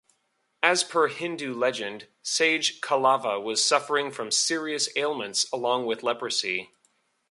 As per Hindu legend, Sage Kalava was suffering from serious ailments along with leprosy.